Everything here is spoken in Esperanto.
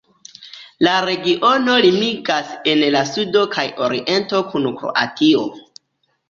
La regiono limigas en la sudo kaj oriento kun Kroatio.